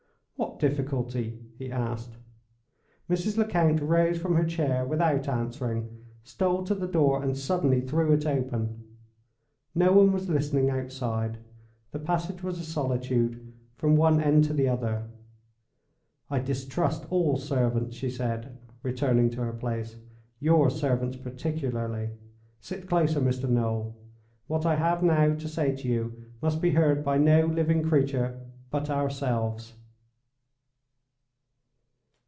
"What difficulty?" he asked. Mrs. Lecount rose from her chair without answering, stole to the door, and suddenly threw it open. No one was listening outside; the passage was a solitude, from one end to the other. "I distrust all servants," she said, returning to her place—"your servants particularly. Sit closer, Mr. Noel. What I have now to say to you must be heard by no living creature but ourselves."